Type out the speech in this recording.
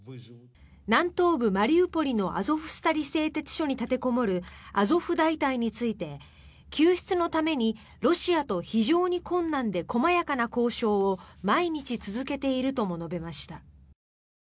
南東部マリウポリのアゾフスタリ製鉄所に立てこもるアゾフ大隊について救出のためにロシアと非常に困難で細やかな交渉を毎日続けているとも述べました。